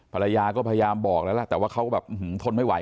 ภรรยาก็พยายามบอกแล้วล่ะแต่ว่าเขาก็แบบทนไม่ไหว